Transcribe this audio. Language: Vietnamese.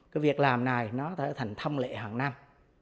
cái việc làm này nó trở thành thông lệ hàng năm